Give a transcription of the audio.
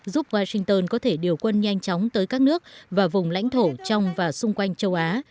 giúp washington có thể điều quân nhanh chóng tới các nước và vùng lãnh thổ trong và xung quanh châu á